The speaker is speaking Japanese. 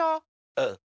うん！